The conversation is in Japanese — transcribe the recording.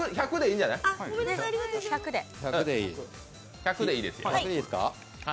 １００でいいですよ。